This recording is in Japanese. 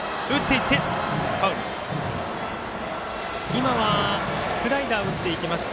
今はスライダーを打っていきました。